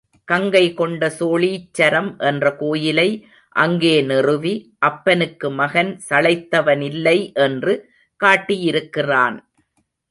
கங்கை கொண்ட சோழீச்சரம் என்ற கோயிலை அங்கே நிறுவி, அப்பனுக்கு மகன் சளைத்தவனில்லை என்று காட்டியிருக்கிறான்.